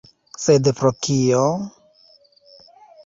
Sed pro kio?